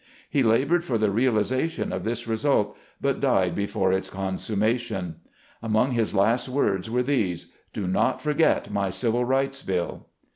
He labored for the realization of this result, but died before its con 136 SLAVE CABIN TO PULPIT. summation. Among his last words were these : "Do not forget my Civil Rights Bill."